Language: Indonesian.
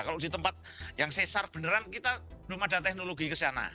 kalau di tempat yang sesar beneran kita belum ada teknologi ke sana